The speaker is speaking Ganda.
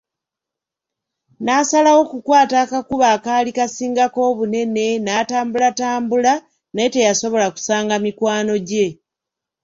Naasalawo okukwata akakubo akaali kasingako obunene, n'atambulatambula, naye teyasobola kusanga mikwano gye.